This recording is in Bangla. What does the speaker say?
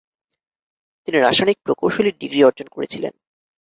তিনি রাসায়নিক প্রকৌশলীর ডিগ্রি অর্জন করেছিলেন।